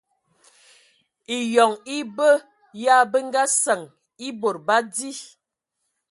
Eyɔŋ e be ya bə nga səŋ e bod ba di.